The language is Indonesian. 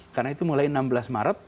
karena itu mulai enam belas maret